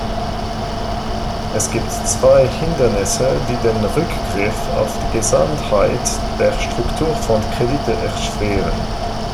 Es gibt zwei Hindernisse, die den Rückgriff auf die Gesamtheit der Strukturfondkredite erschweren.